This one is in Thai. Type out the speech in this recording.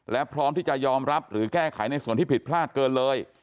และพร้อมที่จะยอมรับหรือแก้ไขในส่วนที่ผิดพลาดเกินเลย